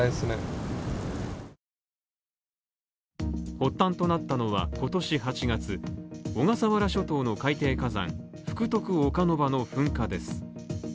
発端となったのは今年８月、小笠原諸島の海底火山福徳岡ノ